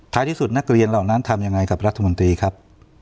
ที่สุดนักเรียนเหล่านั้นทำยังไงกับรัฐมนตรีครับ